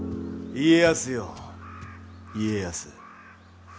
家康よ家康。